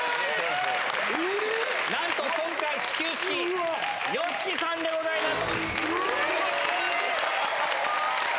なんと今回、始球式、ＹＯＳＨＩＫＩさんでございます。